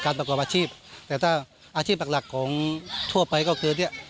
ประกอบอาชีพแต่ถ้าอาชีพหลักหลักของทั่วไปก็คือเนี่ย